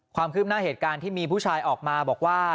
ความคืบหน้าเหตุการณ์ที่มีผู้ชายออกมาบอกว่า